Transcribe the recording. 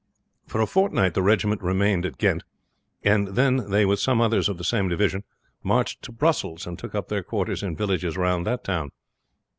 For a fortnight the regiment remained at Ghent, then they with some others of the same division marched to Brussels, and took up their quarters in villages round the town.